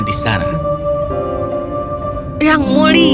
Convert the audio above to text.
dia mendengar covid yang gian di alam batang